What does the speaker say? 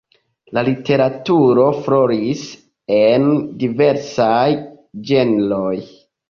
La literaturo floris en diversaj ĝenroj.